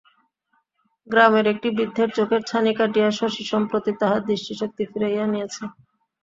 গ্রামের একটি বৃদ্ধের চোখের ছানি কাটিয়া শশী সম্প্রতি তাহার দৃষ্টিশক্তি ফিরাইয়া আনিয়াছে।